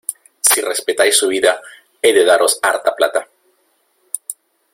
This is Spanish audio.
¡ si respetáis su vida, he de daros harta plata!